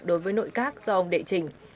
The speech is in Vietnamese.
đối với nội các do ông đệ trình